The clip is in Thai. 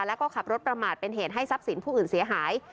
แล้วก็ขับรถประมาทเป็นเหตุให้ทรัพย์สินผู้อื่นเสียหาย